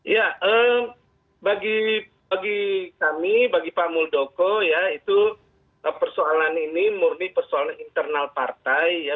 ya bagi kami bagi pak muldoko ya itu persoalan ini murni persoalan internal partai ya